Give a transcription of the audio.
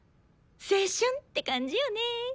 青春って感じよねぇ。